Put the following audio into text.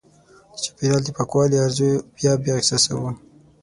د چاپېریال د پاکوالي ارزو بیا بیا احساسوو.